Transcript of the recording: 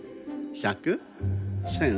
１，０００？